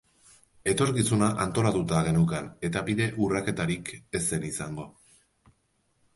Etorkizuna antolatuta geneukan eta bide urraketarik ez zen izango.